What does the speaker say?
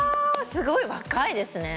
すごい若いですね